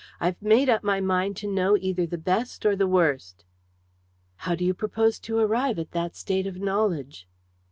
I've made up my mind to know either the best or the worst." "How do you propose to arrive at that state of knowledge?"